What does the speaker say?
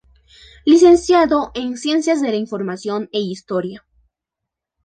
Licenciado en Ciencias de la Información e Historia.